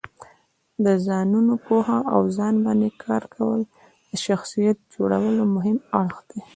د ځانو پوهه او ځان باندې کار کول د شخصیت جوړولو مهم اړخ دی.